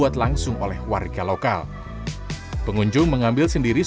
dan kemudian lauk yang menjadi favorit